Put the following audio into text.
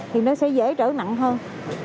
thì nó sẽ dễ trở nặng hơn